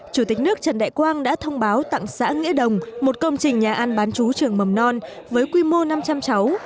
chủ tịch nước trần đại quang đã thông báo tặng xã nghĩa đồng một công trình nhà ăn bán chú trường mầm non với quy mô năm trăm linh cháu